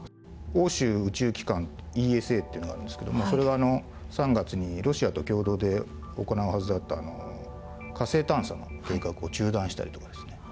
欧州宇宙機関ＥＳＡっていうのがあるんですけどもそれが３月にロシアと共同で行うはずだった火星探査の計画を中断したりとかですね